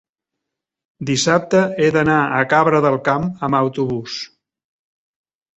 dissabte he d'anar a Cabra del Camp amb autobús.